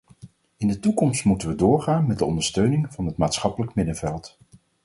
In de toekomst moeten we doorgaan met de ondersteuning van het maatschappelijk middenveld.